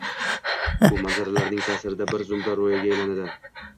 bu manzaralarning ta’sirida bir zumda ro‘yoga aylanadi?